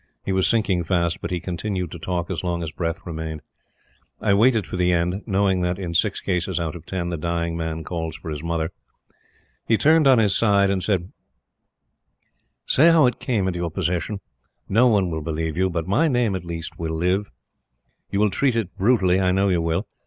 He was sinking fast, but he continued to talk as long as breath remained. I waited for the end: knowing that, in six cases out of ten the dying man calls for his mother. He turned on his side and said: "Say how it came into your possession. No one will believe you, but my name, at least, will live. You will treat it brutally, I know you will.